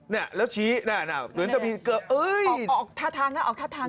เนี่ยแล้วชี้เหมือนจะมีเกิดออกทาทางนะ